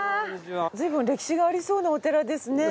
随分歴史がありそうなお寺ですね。